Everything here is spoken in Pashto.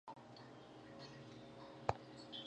انګریزان به پنا سي.